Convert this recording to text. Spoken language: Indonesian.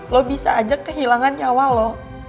lo bisa aja kehilangan nyawa loh